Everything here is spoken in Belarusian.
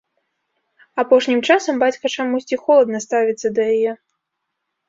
Апошнім часам бацька чамусьці холадна ставіцца да яе.